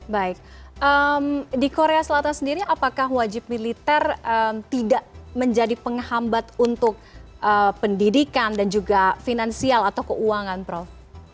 baik di korea selatan sendiri apakah wajib militer tidak menjadi penghambat untuk pendidikan dan juga finansial atau keuangan prof